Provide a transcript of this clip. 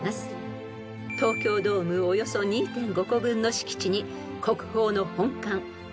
［東京ドームおよそ２．５個分の敷地に］